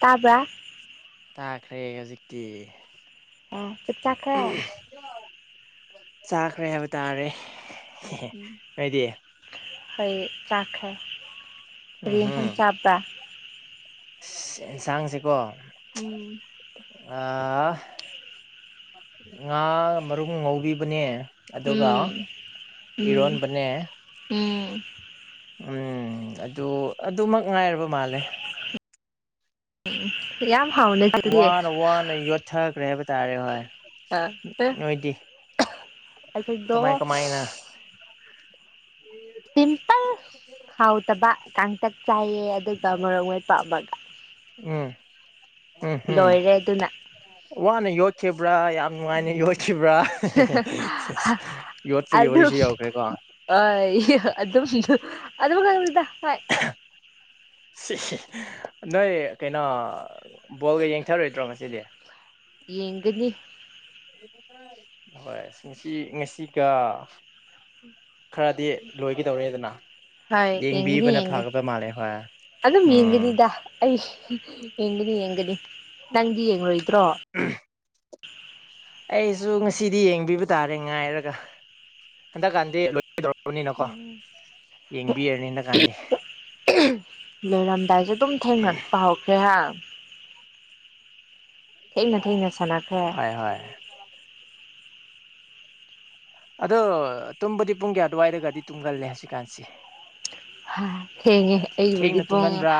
ꯇꯥꯕ꯭ꯔꯥ ꯇꯥꯈ꯭ꯔꯦ ꯍꯧꯖꯤꯛꯇꯤ ꯑꯣ ꯆꯞ ꯆꯥꯈꯔꯦ ꯆꯥꯈ꯭ꯔꯦ ꯍꯥꯏꯕ ꯇꯥꯔꯦ ꯎꯝ ꯅꯣꯏꯗꯤ ꯍꯣꯏ ꯆꯥꯛꯈꯔꯦ ꯎꯝ ꯍꯨꯝ ꯑꯦꯟꯁꯥꯡꯁꯦꯀꯣ ꯎꯝ ꯑ ꯉꯥ ꯃꯔꯨꯝ ꯑꯝꯉꯧꯕꯤꯕꯅꯦ ꯑꯗꯨꯒ ꯎꯝ ꯎꯝ ꯏꯔꯣꯟꯕꯅꯦ ꯎꯝ ꯎꯝ ꯑꯗꯨ ꯑꯗꯨꯃꯛ ꯉꯥꯏꯔꯕ ꯃꯥꯜꯂꯦ ꯎꯝ ꯌꯥꯝ ꯍꯥꯎꯅꯦ ꯑꯗꯨꯗꯤ ꯋꯥꯅ ꯋꯥꯅ ꯌꯣꯠꯊꯈ꯭ꯔꯦ ꯍꯥꯏꯕ ꯇꯥꯔꯦ ꯍꯣꯏ ꯑ ꯅꯣꯏꯗꯤ ꯀꯃꯥꯏ ꯀꯃꯥꯏꯅ ꯁꯤꯝꯄꯜ ꯍꯥꯎꯇꯕ ꯀꯥꯡꯇꯛ ꯆꯥꯏꯌꯦ ꯑꯗꯨꯒ ꯃꯔꯣꯛ ꯃꯦꯠꯄ ꯑꯃꯒ ꯎꯝ ꯎꯝ ꯎꯝ ꯂꯣꯏꯔꯦ ꯑꯗꯨꯅ ꯋꯥꯅ ꯌꫭꯠ ꯈꯤꯕ꯭ꯔꯥ ꯌꯥꯝ ꯅꯨꯡꯉꯥꯏꯅ ꯌꯣꯠꯈꯤꯕ꯭ꯔꯥ ꯌꯣꯠꯄ ꯌꯧꯔꯤꯁꯨ ꯌꯧꯈ꯭ꯔꯦꯀꯣ ꯑ ꯑꯗꯨꯝ ꯑꯗꯨꯝ ꯀꯥꯏꯗ ꯍꫭꯏ ꯅꯣꯏ ꯀꯩꯅꯣ ꯕꯣꯜꯒ ꯌꯦꯡꯊꯔꯣꯏꯗ꯭ꯔꯣ ꯉꯁꯤꯗꯤ ꯌꯦꯡꯗꫭꯏꯅꯤ ꯍꯣꯏ ꯉꯁꯤ ꯉꯁꯤꯒ ꯈꯔꯗꯤ ꯂꯣꯏꯒꯗꯧꯔꯦꯗꯅ ꯍꫭꯏ ꯌꯦꯡꯅꯤ ꯌꯦꯡꯕꯤꯕꯅ ꯌꯦꯡꯒ ꯐꯒꯗ ꯃꯥꯜꯂꯦ ꯍꯣꯏ ꯑꯗꯨꯝ ꯎꯝ ꯌꯦꯡꯒꯅꯤꯗꯥ ꯑꯩꯁ ꯌꯦꯡꯒꯅꯤ ꯌꯦꯡꯒꯅꯤ ꯅꯪꯗꯤ ꯌꯦꯡꯂꫭꯏꯗ꯭ꯔꯣ ꯎꯝ ꯑꯩꯁꯨ ꯉꯁꯤꯗꯤ ꯌꯦꯡꯕꯤꯕ ꯇꯥꯔꯦ ꯉꯥꯏꯔꯒ ꯍꯟꯗꯛꯀꯥꯟꯗꯤ ꯗꯧꯔꯕꯅꯤꯅꯀꯣ ꯎꯝ ꯌꯦꯡꯕꯤꯔꯅꯤꯅ ꯀꯥꯟꯗꯤ ꯂꯣꯏꯔꯝꯗꯥꯏꯁꯦ ꯑꯗꯨꯝ ꯊꯦꯡꯅ ꯄꯥꯎ ꯈ꯭ꯔꯦꯍ ꯊꯦꯡꯅ ꯊꯦꯡꯅ ꯁꯥꯟꯅꯈ꯭ꯔꯦ ꯍ ꯍꯣꯏ ꯑꯗꯣ ꯇꯨꯝꯕꯗꯤ ꯄꯨꯡ ꯀꯌꯥ ꯑꯗꯨꯋꯥꯏꯗꯒꯗꯤ ꯇꯨꯡꯒꯜꯂꯦ ꯍꯧꯖꯤꯛꯀꯥꯟꯁꯤ ꯊꯦꯡꯉꯦ ꯑꯩꯕꯨꯗꯤ ꯊꯦꯡꯅ ꯄꯨꯡ ꯇꯨꯝꯒꯟꯕ꯭ꯔꯥ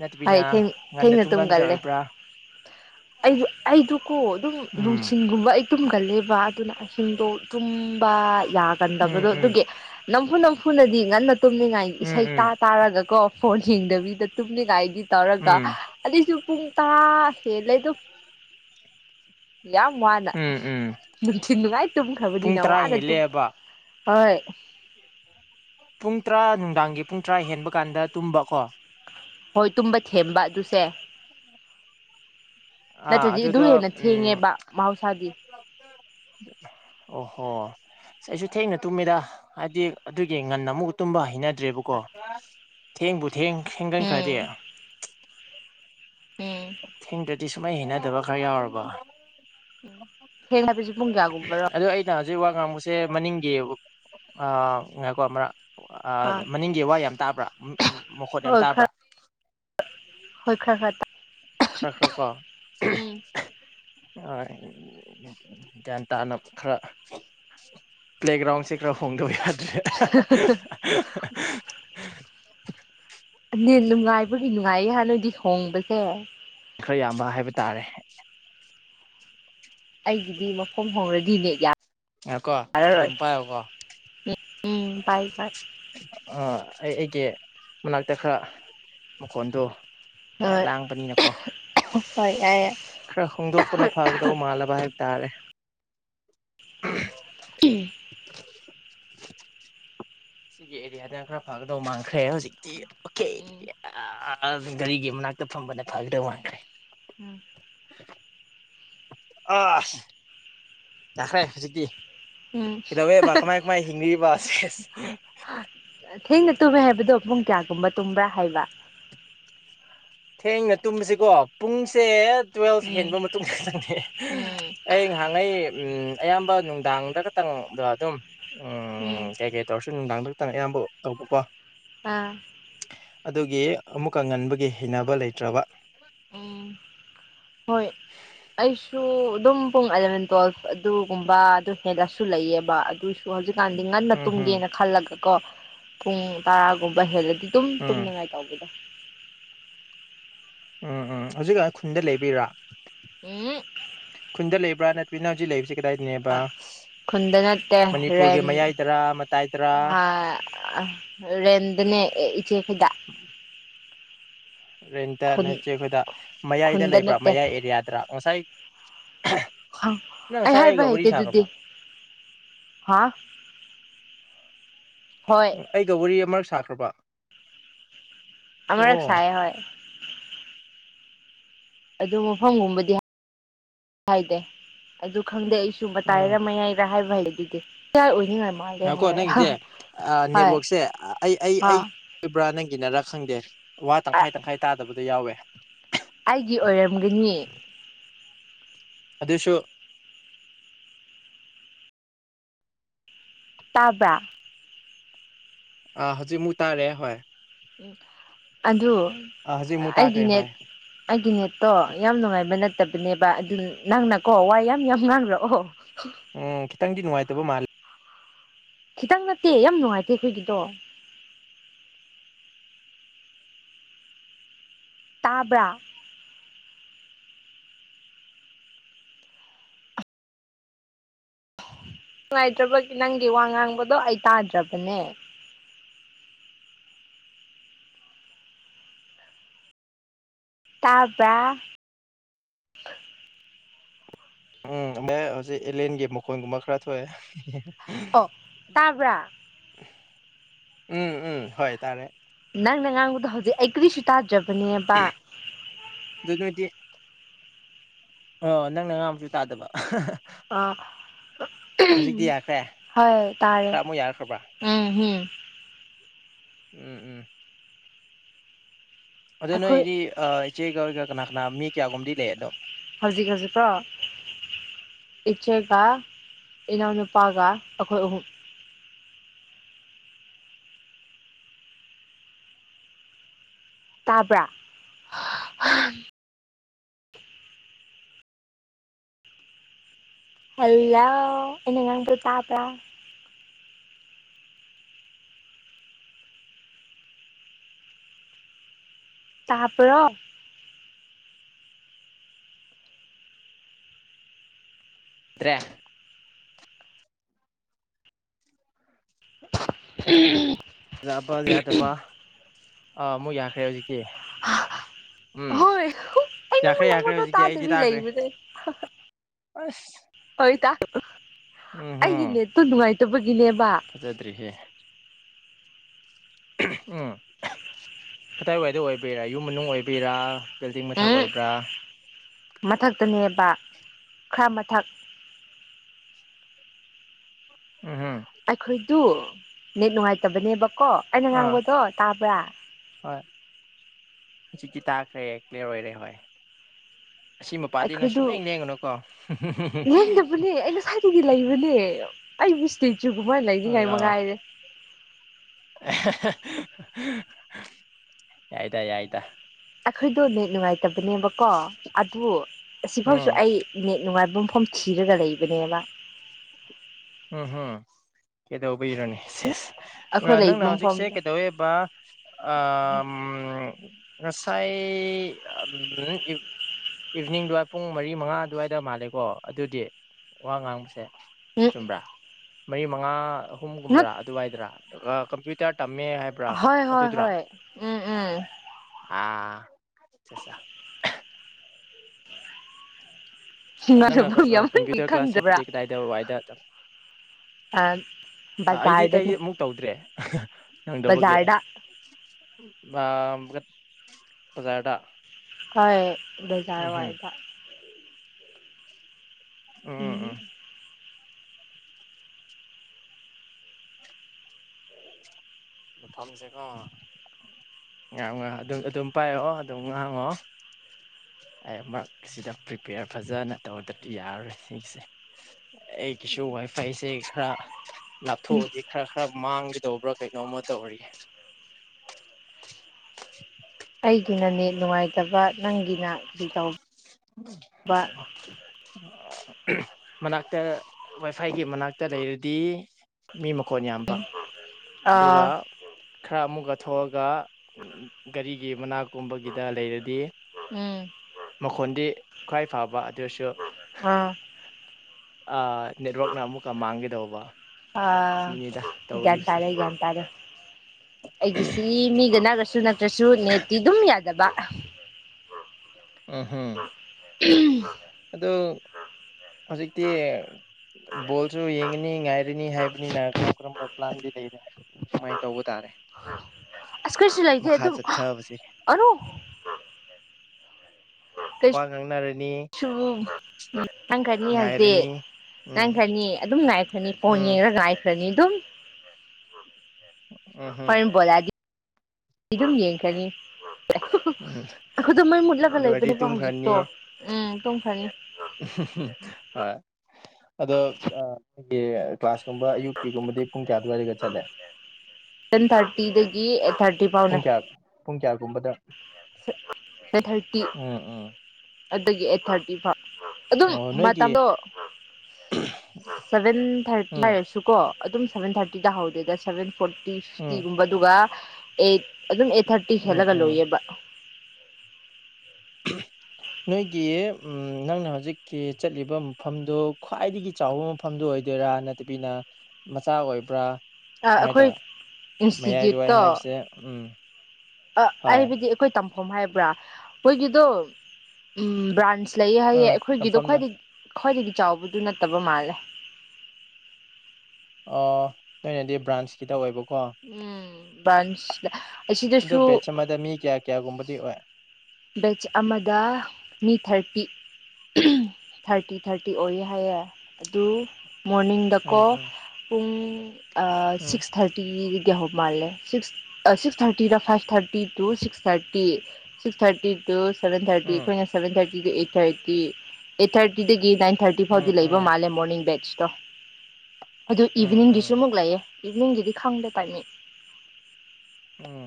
ꯅꯠꯇꯕꯤꯅ ꯍꯣꯏ ꯊꯦꯡ ꯉꯟꯅ ꯊꯦꯡꯅ ꯇꯨꯝꯒꯟꯕꯁꯨ ꯇꯨꯝꯒꯜꯂꯦ ꯑꯣꯏꯕ꯭ꯔꯥ ꯑꯩ ꯑꯩꯗꯨꯀꯣ ꯑꯗꯨꯝ ꯎꯝ ꯅꯨꯡꯊꯤꯜꯒꯨꯝꯕ ꯑꯩ ꯇꯨꯝꯒꯂꯦꯕ ꯑꯗꯨꯅ ꯑꯍꯤꯡꯗꯣ ꯇꯨꯝꯕ ꯎꯝ ꯌꯥꯒꯟꯗꯕꯗꯣ ꯎꯝ ꯑꯗꯨꯒꯤ ꯅꯝꯐꯨ ꯅꯝꯐꯨꯅꯗꯤ ꯉꯟꯅ ꯇꯨꯝꯅꯤꯡꯉꯥꯏ ꯎꯝ ꯏꯁꯩ ꯇꯥ ꯎꯝ ꯇꯥꯔꯒꯀꯣ ꯐꯣꯟ ꯌꯦꯡꯗꯕꯤꯗ ꯇꯨꯝꯅꯤꯡꯉꯥꯏꯗꯤ ꯇꯧꯔꯒ ꯎꯝ ꯑꯗꯨꯏꯁꯨ ꯄꯨꯡ ꯇꯔꯥ ꯍꯦꯜꯂꯦ ꯗꯨꯝ ꯌꯥꯝ ꯋꯥꯅ ꯎꯝ ꯎꯝ ꯅꯨꯡꯊꯤꯟ ꯅꯨꯡꯉꯥꯏꯅꯥ ꯄꯨꯡ ꯇꯨꯝꯈ꯭ꯔꯕꯅꯤꯅ ꯇꯔꯥ ꯋꯥꯅ ꯇꯨꯝ ꯍꯦꯜꯂꯦꯕ ꯍꯣꯏ [unintelligible] [inaudible] ꯄꯨꯡ ꯇꯔꯥ ꯅꯨꯡꯗꯥꯡꯒꯤ ꯄꯨꯡ ꯇꯔꯥ ꯍꯦꯟꯕ ꯀꯥꯟꯗ ꯇꯨꯝꯕ ꯀꯣ ꯍꯣꯏ ꯇꯨꯝꯕ ꯊꯦꯝꯕ ꯑꯗꯨꯁꯦ ꯑꯥ ꯅꯠꯇ꯭ꯔꯗꯤ ꯑꯗꯨ ꯑꯗꯨꯗ ꯍꯦꯟꯅ ꯎꯝ ꯊꯦꯡꯉꯦꯕ ꯃꯍꯧꯁꯥꯗꯤ ꯑꯣ ꯍꯣ ꯁ ꯑꯩꯁꯨ ꯊꯦꯡꯅ ꯇꯨꯝꯃꯦꯗ ꯍꯥꯏꯗꯤ ꯑꯗꯨꯒꯤ ꯉꯟꯅ ꯑꯃꯨꯛ ꯇꯨꯝꯕ ꯍꯩꯅꯗ꯭ꯔꯦꯕꯀꯣ ꯀꯣ ꯊꯦꯡꯕꯨ ꯊꯦꯡ ꯊꯦꯡꯒꯟꯈ꯭ꯔꯗꯤ ꯎꯝ ꯎꯝ ꯊꯦꯡ ꯗꯔ꯭ꯗꯤ ꯁꯨꯃꯥꯏ ꯍꯦꯟꯅꯗꯕ ꯈꯔ ꯌꯥꯎꯔꯕ ꯎ [unintelligible] ꯍꯥꯏꯕꯁꯨ ꯑꯗꯨ ꯑꯩꯅ ꯍꯧꯖꯤꯛ ꯋꯥ ꯉꯥꯡꯕꯁꯦ ꯃꯅꯤꯡꯒꯤ ꯉꯥꯏꯀꯣ ꯑꯃꯔꯛ ꯑꯥ ꯃꯅꯤꯡꯒꯤ ꯑ ꯋꯥ ꯌꯥꯝ ꯇꯥꯕ꯭ꯔꯥ ꯃꯈꯣꯟ ꯌꯥꯝ ꯍꯣꯏ ꯇꯥꯕ꯭ꯔꯥ ꯈꯔ ꯍꯣꯏ ꯈꯔꯥ ꯈꯔꯥ ꯇꯥꯏ ꯈ꯭ꯔ ꯈ꯭ꯔ ꯀꯣ ꯒ꯭ꯌꯥꯟ ꯇꯥꯅ ꯈꯔ ꯄ꯭ꯂꯦꯒ꯭ꯔꯥꯎꯟꯁꯦ ꯈꯔ ꯍꯣꯡꯗꯕ ꯌꯥꯗ [unintelligible] [unintelligible] ꯅꯨꯡꯉꯥꯏꯕꯒꯤ ꯅꯨꯡꯉꯥꯏꯌꯦ ꯍꯥꯟꯗꯛꯇꯤ ꯍꯣꯡꯕꯁꯦ ꯈꯔ ꯌꯥꯝꯕ ꯍꯥꯏꯕ ꯇꯥꯔꯦ ꯑꯩꯒꯤꯗꯤ ꯃꯐꯝ ꯍꯣꯡꯂꯗꯤ ꯅꯦꯠ ꯌꯥ ꯉꯥꯏꯌꯨꯀꯣ ꯑꯗꯨꯝ ꯄꯥꯏꯌꯨꯀꯣ ꯎꯝ ꯄꯥꯏ ꯄꯥꯏ ꯑꯩ ꯑꯩꯒꯤ ꯃꯅꯥꯛꯇ ꯈꯔ ꯃꯈꯣꯟꯗꯣ ꯍꯣꯏ ꯂꯥꯡꯕꯅꯤꯅꯀꯣ ꯍꯣꯏ ꯌꯥꯏ ꯈꯔ ꯍꯣꯡꯗꯣꯛꯄꯅ ꯐꯒꯗꯧ ꯃꯥꯜꯂꯕ ꯍꯥꯏꯕ ꯇꯥꯔꯦ ꯑꯝ [unintelligible] ꯁꯤꯒꯤ ꯑꯦꯔꯤꯌꯥꯗꯅ ꯈꯔ ꯐꯒꯗꯧ ꯃꯥꯡꯈ꯭ꯔꯦ ꯍꯧꯖꯤꯛꯇꯤ ꯎꯝ ꯑ ꯒꯥꯔꯤꯒꯤ ꯃꯅꯥꯛꯇ ꯐꯝꯕꯅ ꯐꯒꯗꯧ ꯃꯥꯟꯈ꯭ꯔꯦ ꯎꯝ ꯑꯥꯥꯁ ꯌꯥꯈ꯭ꯔꯦ ꯍꯧꯖꯤꯛꯇꯤ ꯎꯝ ꯀꯩꯗꯧꯋꯦꯕ ꯀꯃꯥꯏ ꯀꯃꯥꯏ ꯍꯤꯡꯂꯤꯔꯤꯕ ꯁꯦꯁ ꯊꯦꯡꯅ ꯇꯨꯝꯃꯦ ꯍꯥꯏꯕꯗꯣ ꯄꯨꯡ ꯀꯌꯥꯒꯨꯝꯕ ꯇꯨꯝꯕ꯭ꯔꯥ ꯍꯥꯏꯕ ꯊꯦꯡꯅ ꯇꯨꯝꯕꯁꯤꯀꯣ ꯄꯨꯡꯁꯦ ꯇꯨꯋꯦꯜꯐ ꯎꯝ ꯍꯦꯟꯕ ꯃꯇꯨꯡ ꯈꯛꯇꯅꯦ ꯎꯝ ꯑꯩ ꯉꯥꯏꯍꯥꯛ ꯅꯍꯥꯟꯒꯩ ꯎꯝ ꯑꯌꯥꯝꯕ ꯅꯨꯡꯗꯥꯡꯗ ꯈꯛꯇꯪꯗ ꯑꯗꯨꯝ ꯎꯝ ꯀꯩ ꯀꯩ ꯇꯧꯔꯁꯨ ꯅꯨꯡꯗꯥꯡꯗꯛꯇꯪ ꯑꯌꯥꯝꯕ ꯇꯧꯕꯀꯣ ꯑꯥ ꯑꯗꯨꯒꯤ ꯑꯃꯨꯛꯀ ꯉꯟꯕꯒꯤ ꯍꯩꯅꯕ ꯂꯩꯇ꯭ꯔꯕ ꯎꯝ ꯍꯣꯏ ꯑꯩꯁꯨ ꯑꯗꯨꯝ ꯄꯨꯡ ꯑꯦꯂꯚꯦꯟ ꯇꯨꯋꯦ꯭ꯜꯐ ꯑꯗꯨꯒꯨꯝꯕ ꯑꯗꯨ ꯍꯦꯜꯂꯁꯨ ꯂꯩꯌꯦꯕ ꯑꯗꯨ [unintelligible] ꯍꯧꯖꯤꯛꯀꯥꯟꯗꯤ ꯉꯟꯅ ꯎꯝ ꯍꯝ ꯇꯨꯝꯒꯦꯅ ꯈꯜꯂꯒꯀꯣ ꯄꯨꯡ ꯇꯔꯥꯒꯨꯝꯕ ꯍꯦꯜꯂꯗꯤ ꯑꯗꯨ ꯑꯗꯨꯝ ꯎꯝ ꯇꯨꯝꯅꯉꯥꯏ ꯇꯧꯕꯗꯣ ꯎꯝ ꯎꯝ ꯍꯧꯖꯤꯛ ꯈꯨꯟꯗ ꯂꯩꯕꯩꯔꯥ ꯎ ꯈꯨꯟꯗ ꯂꯩꯕ꯭ꯔꯥ ꯅ ꯇꯣꯏꯅ ꯍꯧꯖꯤꯛ ꯂꯩꯁꯦ ꯀꯗꯥꯏꯗꯅꯦꯕ ꯈꯨꯟꯗ ꯅꯠꯇꯦ ꯃꯅꯤꯄꯨꯔꯒꯤ ꯔꯦꯟ ꯃꯌꯥꯏꯗꯔꯥ ꯃꯇꯥꯏꯗꯔꯥ ꯑꯔ ꯆꯦꯗ ꯦꯟꯇ ꯈꯨꯟ ꯅꯣꯏꯠꯁꯦ ꯑꯩꯈꯣꯏꯗ ꯃꯌꯥꯏꯗ ꯈꯨꯟꯗ ꯂꯩꯕ꯭ꯔꯥ ꯅꯠꯇꯦ ꯃꯌꯥꯏ ꯑꯦꯔꯤꯌꯥꯗ꯭ꯔ ꯉꯁꯥꯏ ꯅꯪ ꯑꯩ ꯉꯁꯥꯏ ꯑꯩꯒ ꯍꯥꯏꯕ ꯋꯥꯔꯤ ꯍꯩꯒꯦ ꯁꯥꯈ꯭ꯔꯕꯣ ꯑꯗꯨꯗꯤ ꯍꯥ ꯍꯣꯏ ꯑꯩꯒ ꯋꯥꯔꯤꯔꯤ ꯑꯃꯛ ꯁꯥꯈ꯭ꯔꯕ ꯑꯃꯔ ꯑꯣ ꯆꯥꯏ ꯍ ꯑꯗꯨ ꯃꯐꯝꯒꯨꯝꯕꯗꯤ ꯍꯥꯏꯗꯦ ꯑꯗꯨ ꯈꯪꯗꯦ ꯑꯩꯁꯨ ꯎꯝ ꯃꯇꯥꯏꯔ ꯃꯌꯥꯏꯔꯥ ꯍꯥꯏꯕ ꯍꯥꯏꯗꯨꯗꯤ ꯀ ꯑꯣꯏ ꯀꯣ ꯅꯪꯒꯤꯁꯦ ꯅꯦꯠꯋꯥꯛꯛꯁꯦ ꯑꯩ ꯑꯩ ꯑꯩꯒꯤ ꯑꯥ ꯑꯣꯏꯕ꯭ꯔꯥ ꯅꯪꯒꯤꯅꯔꯥ ꯈꯪꯗꯦ ꯋꯥ ꯇꯪꯈꯥꯏ ꯇꯪꯈꯥꯏ ꯇꯥꯗꯕꯗ ꯌꯥꯎꯋꯦ ꯑꯩꯒꯤ ꯑꯣꯏꯔꯝꯒꯅꯤ ꯑꯗꯨꯗꯁꯨ ꯇꯥꯕ꯭ꯔ ꯑ ꯍꯧꯖꯤꯛ ꯃꯨꯛ ꯇꯥꯔꯦ ꯍꯣꯏ ꯎꯝ ꯑꯗꯨ ꯍꯧꯖꯤꯛꯃꯨꯛ ꯇꯥꯈ꯭ꯔꯦ ꯑꯩꯒꯤꯅꯦ ꯍꯣꯏ ꯑꯩꯒꯤꯅꯦꯠꯇꯣ ꯌꯥꯝ ꯅꯨꯡꯉꯥꯏꯕ ꯅꯠꯇꯕꯅꯦꯕ ꯑꯗꯨ ꯅꯪꯅꯀꯣ ꯋꯥ ꯌꯥꯝ ꯌꯥꯝ ꯉꯥꯡꯂꯛꯑꯣ ꯎꯝ ꯈꯤꯇꯪꯗꯤ ꯅꯨꯡꯉꯥꯏꯇꯕ ꯃꯥꯜꯂꯦ ꯈꯤꯇꯪ ꯅꯠꯇꯦ ꯌꯥꯝ ꯅꯨꯡꯉꯥꯏꯇꯦ ꯑꯩꯈꯣꯏꯒꯤꯗꯣ ꯇꯥꯕ꯭ꯔꯥ ꯅꯨꯡꯉꯥꯏꯇ꯭ꯔꯕꯒꯤ ꯅꯪꯒꯤ ꯋꯥ ꯉꯥꯡꯕꯗꯣ ꯑꯩ ꯇꯥꯗ꯭ꯔꯕꯅꯦ ꯇꯥꯕ꯭ꯔ ꯎꯝ ꯍꯧꯖꯤꯛ ꯑꯦꯂꯦꯟꯒꯤ ꯃꯈꯣꯟꯒꯨꯝꯕ ꯈꯔ ꯊꯣꯛꯑꯦ ꯑꯣ ꯇꯥꯕ꯭ꯔꯥ ꯎꯝ ꯎꯝ ꯍꯣꯏ ꯇꯥꯔꯦ ꯅꯪꯅ ꯉꯥꯡꯕꯗꯣ ꯍꯧꯖꯤꯛ ꯑꯩ ꯀꯨꯔꯤꯁꯨ ꯇꯥꯗꯔꯕꯅꯦꯕ ꯑꯗꯨ ꯅꯣꯏꯗꯤ ꯑꯣ ꯅꯪꯅ ꯉꯥꯡꯕꯁꯨ ꯇꯥꯗꯕ ꯑ ꯍꯧꯖꯤꯛꯇꯤ ꯌꯥꯈ꯭ꯔꯦ ꯍ ꯇꯥꯔꯦ ꯈꯔ ꯑꯃꯨꯛ ꯌꯥꯔꯛꯈ꯭ꯔꯕ꯭ꯔꯥ ꯑꯝ ꯍꯝ ꯎꯝ ꯎꯝ ꯑꯗꯣ ꯑꯩꯈꯣꯏ ꯅꯣꯏꯗꯤ ꯏꯆꯦꯒ ꯀꯅꯥ ꯀꯅꯥ ꯃꯤ ꯀꯌꯥꯒꯨꯝꯕꯗꯤ ꯂꯩ ꯑꯗꯣ ꯍꯧꯖꯤꯛ ꯍꯧꯖꯤꯛꯔꯣ ꯏꯆꯦꯒ ꯏꯅꯥꯎꯅꯨꯄꯥꯒ ꯑꯩꯈꯣꯏ ꯑꯍꯨꯝ ꯇꯥꯕ꯭ꯔꯥ ꯍꯜꯂꯣ ꯑꯩꯅ ꯉꯥꯡꯕꯗꯣ ꯇꯥꯕꯔ ꯇꯥ ꯕꯔꯣ ꯀꯔꯤ ꯎꯝ ꯎꯝ ꯕ ꯌꯥꯗꯕ ꯑꯥ ꯑꯃꯨꯛ ꯌꯥꯈ꯭ꯔꯦ ꯍꯧꯖꯤꯛꯀꯤ ꯎꯝ ꯍꯣꯏ ꯌꯥꯈ꯭ꯔꯦ ꯌꯥꯈ꯭ꯔꯦ ꯍꯧꯖꯤꯛꯇꯤ ꯑꯩꯗꯤ ꯇꯥꯈ꯭ꯔꯦ ꯑꯗꯨ ꯑꯁ ꯍꯣꯏꯗ ꯑꯩꯒꯤ ꯅꯦꯠꯇꯣ ꯅꯨꯡꯉꯥꯏꯇꯕꯒꯤꯅꯦꯕ ꯆꯥꯗ꯭ꯔꯤꯍꯦ ꯎꯝ ꯀꯗꯥꯏ ꯋꯥꯏꯗ ꯑꯣꯏꯕꯤꯔꯥ ꯌꯨꯝ ꯃꯅꯨꯡ ꯑꯣꯏꯕꯤꯔꯥ ꯕꯤꯜꯗꯤꯡ ꯃꯊꯛ ꯎꯝ ꯑꯣꯏꯕ꯭ꯔꯥ ꯃꯊꯛꯇꯅꯦꯕ ꯈꯔ ꯃꯊꯛ ꯎꯝꯍꯝ ꯑꯩꯈꯣꯏꯗꯨ ꯅꯦꯠ ꯅꯨꯡꯉꯥꯏꯇꯕꯅꯦꯕꯀꯣ ꯑꯩꯅ ꯑꯥ ꯉꯥꯡꯕꯗꯣ ꯇꯥꯕ꯭ꯔꯥ ꯍꯣꯏ ꯍꯧꯖꯤꯛꯤ ꯇꯥꯈ꯭ꯔꯦ ꯀ꯭ꯂꯤꯌꯥꯔ ꯑꯣꯏꯔꯦ ꯍꯣꯏ ꯑꯁꯤ ꯃꯄꯥꯗꯤ ꯅꯪ ꯑꯩꯈꯣꯏꯗꯨ ꯁꯨꯡꯂꯦꯡ ꯂꯦꯡꯒꯅꯨꯀꯣ ꯁꯤꯗꯤ ꯂꯩꯕꯅꯦ ꯑꯩꯕꯨ ꯏꯁꯇꯦꯆꯨꯒꯨꯝꯕ ꯍꯣꯏ ꯂꯩꯅꯤꯉꯥꯏ ꯑꯥ ꯃꯉꯥꯏꯔꯦ ꯌꯥꯏꯗ ꯌꯥꯏꯗ ꯑꯩꯈꯣꯏꯗꯣ ꯅꯦꯠ ꯅꯨꯡꯉꯥꯏꯇꯕꯅꯦꯕꯀꯣ ꯑꯗꯨ ꯑꯁꯤꯐꯥꯎꯁꯨ ꯎꯝ ꯑꯩ ꯅꯦꯠ ꯅꯨꯡꯉꯥꯏꯕ ꯃꯐꯝ ꯊꯤꯔꯒ ꯂꯩꯕꯅꯦꯕ ꯎꯝ ꯀꯩꯗꯧꯕꯔꯣꯅꯦ ꯁꯦꯁ ꯑꯩꯈꯣꯏ ꯅꯪꯅ ꯂꯩꯕ ꯍꯧꯖꯤꯛꯁꯦ ꯃꯐꯝꯗꯣ ꯀꯩꯗꯧꯋꯦꯕ ꯑ ꯉꯁꯥꯏ ꯑꯗꯨꯝ ꯏꯚꯤꯅꯤꯡ ꯑꯗꯨꯋꯥꯏ ꯄꯨꯡ ꯃꯔꯤ ꯃꯉꯥ ꯑꯗꯨꯋꯥꯏꯗ ꯃꯥꯜꯂꯦꯀꯣ ꯑꯗꯨꯗꯤ ꯋꯥ ꯉꯥꯡꯕꯁꯦ ꯎꯝ ꯆꯨꯝꯕ꯭ꯔꯥ ꯃꯔꯤ ꯃꯉꯥ ꯑꯍꯨꯝꯒꯨꯝꯕ꯭ꯔꯥ ꯑꯗꯨꯋꯥꯏꯗ꯭ꯔ ꯀꯝꯄꯌ꯭ꯨ ꯇꯔ ꯇꯝꯃꯦ ꯍꯥꯏꯕ꯭ꯔꯥ ꯍꯣꯏ ꯍꯣꯏ ꯑꯗꯨꯗ꯭ꯔꯥ ꯍꯣꯏ ꯎꯝ ꯎꯝ ꯑꯥ ꯆꯠ ꯆꯥ ꯅꯪꯅ ꯉꯥꯅꯨꯕꯨ ꯌꯥꯝꯃꯟꯕꯤ ꯀꯝꯄ꯭ꯌꯨꯇꯔ ꯀ꯭ꯂꯥꯁ ꯈꯪꯗꯕ꯭ꯔꯥ ꯆꯠꯄꯗꯤ ꯀꯗꯥꯏꯗ ꯋꯥꯏꯗ ꯑꯥ ꯑꯩꯗꯤ ꯀꯔꯤ ꯕꯖꯥꯔꯗꯅꯦ ꯑꯃꯨꯛ ꯇꯧꯗ꯭ꯔꯦ ꯅꯪꯗꯕꯒꯤ ꯕꯖꯥꯔꯗ ꯑ ꯕꯖꯥꯔꯗ ꯍꯣꯏ ꯎꯝ ꯕꯖꯥꯔ ꯋꯥꯏꯗ ꯎꯝ ꯎꯝ ꯊꯝꯁꯦꯀꯣ ꯉꯥꯡꯉꯑꯣ ꯑꯗꯨ ꯑꯗꯨꯝ ꯄꯥꯏꯔꯛꯑꯣ ꯑꯗꯨꯝ ꯉꯥꯡꯉꯑꯣ ꯑꯩ ꯑꯃꯛ ꯁꯤꯗ ꯄ꯭ꯔꯤꯄꯦꯌꯔ ꯐꯖꯅ ꯇꯧꯗꯔꯗꯤ ꯌꯥꯔꯔꯣꯏ ꯁꯤꯁꯦ ꯑꯩꯒꯤꯁꯨ ꯋꯥꯏ ꯐꯥꯏꯁꯦ ꯈꯔ ꯎꯝ ꯂꯥꯞꯊꯣꯛꯑꯁꯤ ꯈꯔ ꯈꯔ ꯃꯥꯡꯒꯗꯧꯕ꯭ꯔꯥ ꯀꯩꯅꯣꯝꯃ ꯇꯧꯔꯤꯌꯦ ꯑꯩꯒꯤꯅꯅꯦ ꯅꯨꯡꯉꯥꯏꯇꯕ ꯅꯪꯒꯤꯅ [inaudible] ꯍ ꯃꯅꯥꯛꯇ ꯋꯥꯏꯐꯥꯏꯒꯤ ꯃꯅꯥꯛꯇ ꯂꯩꯔꯗꯤ ꯃꯤ ꯃꯈ ꯀꯣꯟ ꯌꯥꯝꯕ ꯑꯗꯨꯒ ꯑꯥ ꯈꯔ ꯑꯃꯨꯛꯀ ꯊꯣꯛꯑꯒ ꯒꯥꯔꯤꯒꯤ ꯃꯅꯥꯛꯀꯨꯝꯕꯒꯤꯗ ꯂꯩꯔꯗꯤ ꯎꯝ ꯃꯈꯣꯟꯗꯤ ꯈ꯭ꯋꯥꯏ ꯐꯕ ꯑꯗꯨꯁꯨ ꯑꯥ ꯅꯦꯠꯋꯔꯥꯛꯅ ꯑꯃꯨꯛꯀ ꯃꯥꯡꯒꯦꯗꯧꯕ ꯑ ꯒꯌꯥꯟ ꯇꯥꯔꯦ ꯒꯌꯥꯟ ꯇꯥꯔꯦ ꯑꯩꯒꯤ ꯁꯤ ꯃꯤꯒ ꯅꯥꯔꯒꯁꯨ ꯅꯠꯇ꯭ꯔꯁꯨ ꯅꯦꯠꯇꯤ ꯑꯗꯨꯝ ꯌꯥꯗꯕ ꯑꯍꯥ ꯎꯝ ꯑ ꯍꯧꯖꯤꯛꯇꯤ ꯕꯣꯜꯁꯨ ꯌꯦꯡꯉꯅꯤ ꯉꯥꯏꯔꯤꯅꯤ ꯍꯥꯏꯕꯅꯤꯅ ꯀꯔꯝꯕ ꯄ꯭ꯂꯥꯟꯗꯤ ꯂꯩꯔꯦ ꯁꯨꯃꯥꯏꯅ ꯇꯧꯕ ꯇꯥꯔꯦ ꯑꯁ ꯀꯔꯤꯁꯨ ꯂꯩꯒꯦ ꯃꯈꯥ ꯑꯗꯨꯝ ꯆꯠꯊꯕꯁꯦ ꯑꯔꯨ ꯋꯥ ꯉꯥꯡꯅꯔꯅꯤ ꯁ ꯅꯪꯀꯅꯤ ꯍꯥꯏꯁꯦ ꯉꯥꯏꯔꯅꯤ ꯎꯝ ꯉꯥꯏꯈ꯭ꯔꯅꯤ ꯑꯗꯨꯝ ꯉꯥꯏꯈ꯭ꯔꯅꯤ ꯐꯣꯟ ꯎꯝ ꯌꯦꯡꯉꯒ ꯉꯥꯏꯈ꯭ꯔꯅꯤ ꯑꯗꯨꯝ ꯎꯝꯍꯨꯝ ꯐꯔ ꯕꯣꯂꯛꯗꯤ ꯑꯗꯨꯝ ꯌꯦꯡꯈꯅꯤ ꯎꯝ ꯈꯨꯗꯝꯃꯩ ꯃꯨꯠꯂꯒ ꯂꯣꯏꯔꯗꯤ ꯂꯩꯕꯅꯦꯀꯣ ꯇꯨꯝꯈ꯭ꯔꯅꯤ ꯍꯧꯖꯤꯛꯇꯣ ꯎꯝ ꯇꯨꯡ ꯐꯅꯤ ꯍꯣꯏ ꯑꯗꯣ ꯑꯩꯈꯣꯏꯒꯤ ꯀ꯭ꯂꯥꯁꯀꯨꯝꯕ ꯑꯌꯨꯛꯀꯤꯒꯨꯝꯕꯗꯤ ꯄꯨꯡ ꯀꯌꯥ ꯑꯗꯨꯋꯥꯏꯒ ꯆꯠꯂꯦ ꯦꯟ ꯊꯥꯔꯇꯤꯗꯒꯤ ꯊꯥꯔꯇꯤ ꯐꯥꯎꯅꯦ ꯄꯨꯡ ꯀꯌꯥ ꯄꯨꯡ ꯀꯌꯥꯒꯨꯝꯕꯗ ꯑꯩꯠ ꯊꯥꯔꯇꯤ ꯎꯝ ꯎꯝ ꯑꯗꯨꯗꯒꯤ ꯑꯩꯠ ꯊꯥꯔꯇꯤ ꯐꯥꯏꯚ ꯑꯣ ꯅꯣꯏꯒꯤ ꯁꯚꯦꯟ ꯊꯥꯔꯇꯤ ꯎꯝ ꯍꯥꯏꯔꯁꯨꯀꯣ ꯑꯗꯨꯝ ꯁꯚꯦꯟ ꯊꯥꯔꯇꯤꯗ ꯍꯧꯗꯦꯗ ꯁꯚꯦꯟ ꯐꯣꯔꯇꯤ ꯎꯝ ꯐꯤꯐꯇꯤꯒꯨꯝꯕ ꯑꯗꯨꯒ ꯑꯩꯠ ꯑꯗꯨꯝ ꯑꯩꯠ ꯊꯥꯔꯇꯤ ꯎꯝ ꯈꯦꯠꯂꯒ ꯎꯝ ꯂꯣꯏꯌꯦꯕ [inaudible] ꯅꯣꯏꯒꯤ ꯎ ꯅꯪꯅ ꯍꯧꯖꯤꯛꯀꯤ ꯆꯠꯂꯤꯕ ꯃꯐꯝꯗꯨꯣ ꯈ꯭ꯋꯥꯏꯗꯒꯤ ꯆꯥꯎꯕ ꯃꯐꯝ ꯃꯐꯝꯗꯨ ꯑꯣꯏꯗꯣꯏꯔꯥ ꯅꯠꯇꯕꯤꯅ ꯃꯆꯥ ꯑꯣꯏꯕ꯭ꯔꯥ ꯑ ꯀꯃꯥꯏꯅ ꯑꯩꯈꯣꯏ ꯇꯧꯋꯦ ꯃꯌꯥꯏꯗꯋꯥꯏ ꯏꯟꯁꯇꯤꯇ꯭ꯌꯨꯠꯇꯣ ꯍꯥꯏꯕꯁꯦ ꯎꯝ ꯍꯣꯏ ꯍꯥꯏꯕꯗꯤ ꯑꯩꯈꯣꯏ ꯇꯝꯐꯝ ꯍꯥꯏꯕ꯭ꯔꯥ ꯃꯈꯣꯏꯒꯤꯗꯣ ꯎꯝ ꯕ꯭ꯔꯥꯟꯁ ꯂꯩꯌꯦ ꯍꯥꯏꯌꯦ ꯎꯝ ꯑꯩꯈꯣꯏꯒꯤꯗꯣ ꯇꯝꯐꯝꯗꯣ ꯈ꯭ꯋꯥꯏꯗꯒꯤ ꯈ꯭ꯋꯥꯏꯗꯒꯤ ꯆꯥꯎꯕꯗꯨ ꯅꯠꯇꯕ ꯃꯥꯜꯂꯦ ꯑꯣ ꯅꯣꯏꯅꯗꯤ ꯕ꯭ꯔꯥꯟꯁꯀꯤꯇ ꯑꯣꯏꯕꯀꯣ ꯎꯝ ꯟꯁꯂ ꯑꯣ ꯕꯦꯠꯆ ꯑꯃꯗ ꯃꯤ ꯀꯌꯥ ꯀꯌꯥꯒꯨꯝꯕꯗꯤ ꯑꯣꯏ ꯕꯦꯆ ꯑꯃꯗ ꯃꯤ ꯊꯥꯔꯇꯤ ꯊꯥꯔꯇꯤ ꯊꯥꯔꯇꯤ ꯑꯣꯏꯌꯦ ꯍꯥꯏꯌꯦ ꯑꯗꯨ ꯃꯣꯔꯅꯤꯡ ꯗꯀꯣ ꯎꯝ ꯎꯝ ꯄꯨꯡ ꯁꯤꯛꯁ ꯊꯔꯇꯤ ꯤ ꯦꯍꯧ ꯃꯥꯜꯂꯦ ꯁꯤꯛꯁ ꯁꯤꯛꯁ ꯊꯥꯔꯇꯤꯗ five thirty two six thirty six thirty two seven thirty ꯎꯝ ꯑꯩꯈꯣꯏꯅ ꯁꯚꯦꯟ ꯊꯥꯔꯇꯤꯗ ꯑꯩꯠ ꯊꯥꯔꯇꯤ ꯑꯩꯠ ꯊꯥꯔꯇꯤꯗꯒꯤ ꯅꯥꯏꯟ ꯊꯥꯔꯇꯤ ꯐꯇꯤ ꯎꯝ ꯐꯥꯎꯗꯤ ꯎꯝ ꯎꯝ ꯂꯩꯕ ꯃꯥꯜꯂꯦ ꯃꯣꯔꯅꯤꯡ ꯕꯦꯦꯛꯁꯇꯣ ꯑꯗꯨ ꯎꯝ ꯎꯝ ꯏꯚꯅꯤꯡꯒꯤꯁꯨ ꯑꯃꯨꯛ ꯂꯩꯑꯌꯦ ꯏꯚꯅꯤꯡꯒꯤꯗꯤ ꯈꯪꯗ ꯇꯥꯏꯅꯤ ꯎꯝ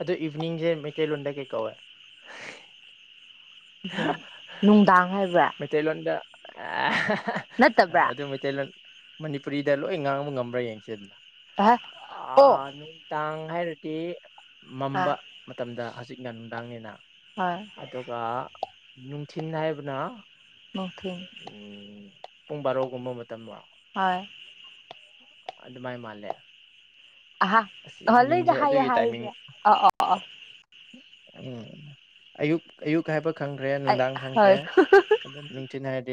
ꯑꯗꯨꯣ ꯏꯚꯅꯤꯡꯁꯦ ꯃꯩꯇꯩꯂꯣꯟꯗ ꯀꯩ ꯀꯧꯋꯦ ꯅꯅꯨꯡꯗꯥꯉ ꯍꯥꯏ ꯃꯦꯊꯂꯗ ꯅꯠꯇꯕ꯭ꯔꯥ ꯇꯦ ꯃꯅꯤꯄꯨꯔꯤꯗ ꯂꯣꯏ ꯉꯥꯡꯕ ꯉꯝꯕ꯭ꯔꯥ ꯌꯦꯡꯁꯦꯗꯅ ꯑꯣ ꯇꯥꯡ ꯍꯥꯏꯔꯗꯤ ꯑꯥ ꯃꯝꯕ ꯃꯇꯝꯗ ꯍꯧꯖꯤꯛꯅ ꯅꯨꯡꯗꯥꯡꯅꯤꯅ ꯍꯣꯏ ꯑꯗꯨꯒ ꯅꯨꯡꯊꯤꯤꯟ ꯍꯥꯏꯕꯅ ꯅꯈ ꯎꯝ ꯄꯨꯡ ꯕꯥꯔꯣꯒꯨꯝꯕ ꯃꯇꯝ ꯑꯣꯏꯣ ꯍꯣꯏ ꯑꯗꯨ ꯃꯥꯏ ꯃꯥꯜꯂꯦ ꯑꯍꯥ ꯑꯁꯤꯁ ꯍꯣꯏ ꯂꯣꯏꯅ ꯏꯚꯤꯅꯤꯡꯁꯦ ꯍꯥꯏꯌꯣ ꯑꯗꯨꯒꯤ ꯇꯥꯏꯃꯤꯡ ꯍꯥꯏꯕ꯭ꯔꯥ ꯑꯣ ꯑꯣ ꯑꯣ ꯎꯝ ꯑꯌꯨꯛ ꯑꯌꯨꯛ ꯍꯥꯏꯕ ꯈꯪꯈ꯭ꯔꯦ ꯑꯩ ꯅꯨꯡꯗꯥꯡ ꯈꯪꯈ꯭ꯔꯦ ꯍꯣꯏ ꯑꯗꯨ ꯅꯨꯡꯊꯤꯤꯟ ꯍꯥꯏꯔꯗꯤ